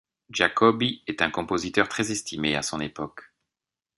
Giacobbi est un compositeur très estimé à son époque.